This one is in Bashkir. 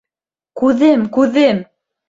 Күҙем, күҙем!!!